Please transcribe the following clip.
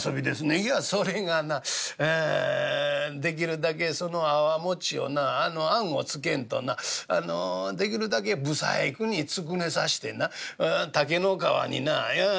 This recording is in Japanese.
「いやそれがなできるだけその粟をな餡をつけんとなできるだけ不細工につくねさしてな竹の皮にな５つ６つ